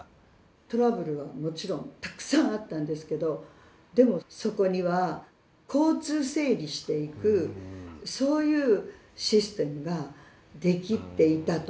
トラブルはもちろんたくさんあったんですけどでもそこには交通整理していくそういうシステムができていたと。